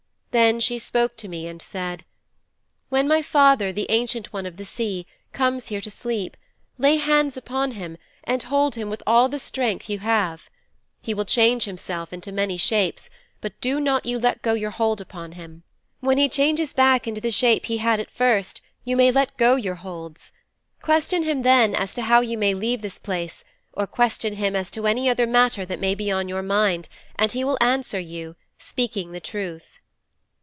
Then she spoke to me and said: '"When my father, the Ancient One of the Sea, comes here to sleep, lay hands upon him and hold him with all the strength you have. He will change himself into many shapes, but do not you let go your hold upon him. When he changes back into the shape he had at first you may let go your holds. Question him then as to how you may leave this place, or question him as to any other matter that may be on your mind, and he will answer you, speaking the truth."'